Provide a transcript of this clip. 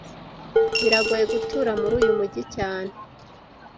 Biragoye gutura muri uyu mujyi cyane